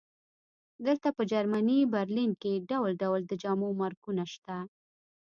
دلته په جرمني برلین کې ډول ډول د جامو مارکونه شته